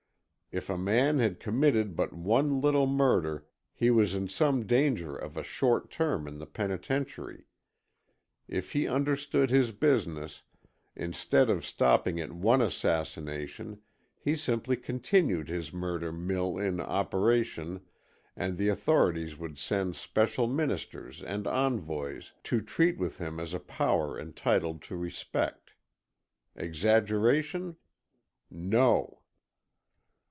If a man had committed but one little murder, he was in some danger of a short term in the penitentiary. If he understood his business, instead of stopping at one assassination, he simply continued his murder mill in operation and the authorities would send special ministers and envoys to "treat" with him as a power entitled to respect. Exaggeration? No!